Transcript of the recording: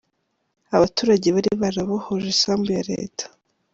Abaturage bari barabohoje isambu ya Leta.